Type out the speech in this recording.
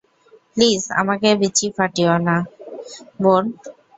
Please আমার বিচি ফাটিও না, বোন।